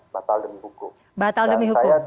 batal demi hukum